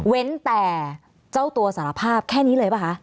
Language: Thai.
แต่เจ้าตัวสารภาพแค่นี้เลยป่ะคะ